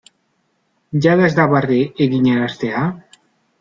Jada ez da barre eginaraztea?